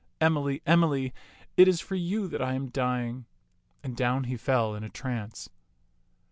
Emily, Emily, it is for you that I am dying "; and down he fell in a trance.